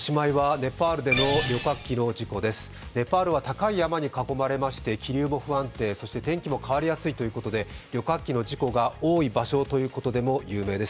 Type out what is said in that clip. ネパールは高い山に囲まれまして気流も不安定、そして天気も変わりやすいということで旅客機の事故が多い場所ということでも有名です。